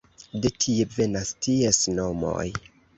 De tie venas ties nomoj.